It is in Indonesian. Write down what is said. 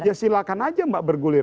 ya silakan aja mbak bergulir